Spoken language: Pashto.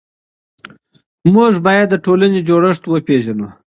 موږ بايد د ټولني جوړښت وپيژنو.